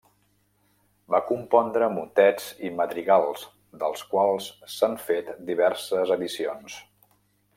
Va compondre motets i madrigals, dels quals s'han fet diverses edicions.